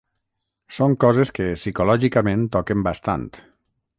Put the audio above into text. Són coses que psicològicament toquen bastant.